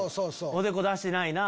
おでこ出してないな。